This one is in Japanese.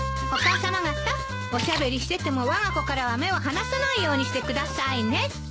お母さま方おしゃべりしててもわが子からは目を離さないようにしてくださいね。